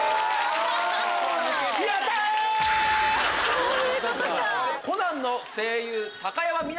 そういうことか。